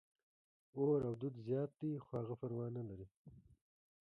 اور او دود زیات دي، خو هغه پروا نه لري.